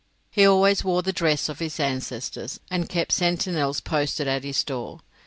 He always wore the dress of his ancestors, and kept sentinels posted at his doors.